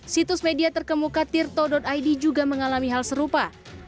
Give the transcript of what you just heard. situs media terkemuka tirto id juga mengalami hal serupa